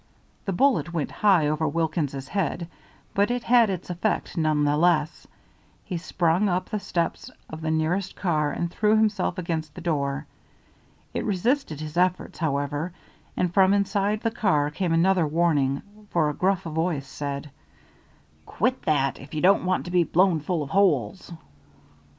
The bullet went high over Wilkins's head, but it had its effect none the less. He sprang up the steps of the nearest car and threw himself against the door. It resisted his efforts, however, and from inside the car came another warning, for a gruff voice said: "Quit that, if you don't want to be blown full of holes."